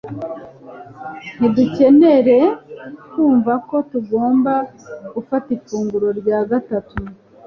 ntidukenere kumva ko tugomba gufata ifunguro rya gatatu.